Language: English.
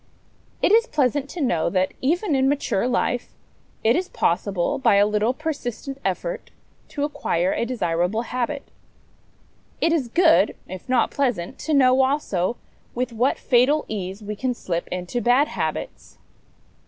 It is pleasant to know that, even in mature life, it is possible by a little persistent effort to acquire a desirable habit. It is good, if not pleasant, to know, also, with what fatal ease we can slip into bad habits.